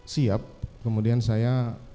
siap kemudian saya